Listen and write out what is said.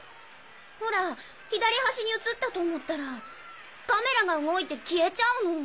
ほら左端に映ったと思ったらカメラが動いて消えちゃうの。